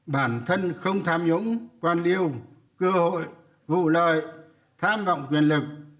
bản thân không tham nhũng quan liêu cơ hội vụ lợi tham vọng quyền lực